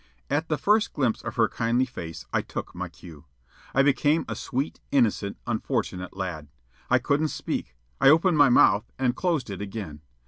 At the first glimpse of her kindly face I took my cue. I became a sweet, innocent, unfortunate lad. I couldn't speak. I opened my mouth and closed it again.